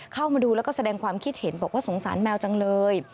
เข้ามาดูแล้วก็แสดงความคิดเห็นบอกว่าสงสารแมวจังเลย